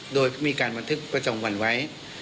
โดยมีการบันทึกประจำวันไว้